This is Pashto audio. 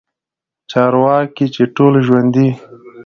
چارواکي چې ټول ژوندي